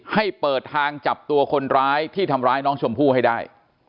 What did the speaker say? ให้เปิดทางจับตัวคนร้ายที่ทำร้ายน้องชมพู่ให้ได้